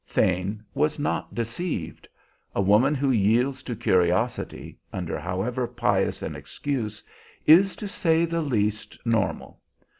Thane was not deceived: a woman who yields to curiosity, under however pious an excuse, is, to say the least, normal.